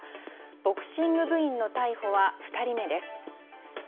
ボクシング部員の逮捕は２人目です。